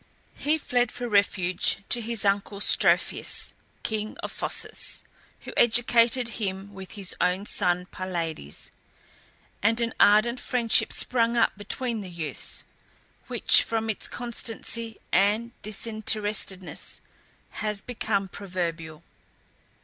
He fled for refuge to his uncle Strophius, king of Phocis, who educated him with his own son Pylades, and an ardent friendship sprung up between the youths, which, from its constancy and disinterestedness, has become proverbial.